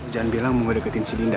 jangan bilang mau deketin si dinda